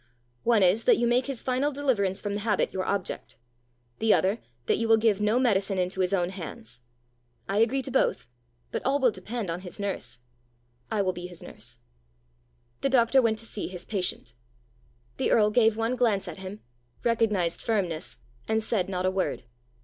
"One is, that you make his final deliverance from the habit your object; the other, that you will give no medicine into his own hands." "I agree to both; but all will depend on his nurse." "I will be his nurse." The doctor went to see his patient. The earl gave one glance at him, recognized firmness, and said not a word.